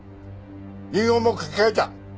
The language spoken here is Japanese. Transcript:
遺言も書き換えた。